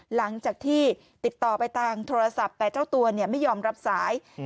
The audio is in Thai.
หลังจากที่ติดต่อไปทางโทรศัพท์แต่เจ้าตัวเนี่ยไม่ยอมรับสาย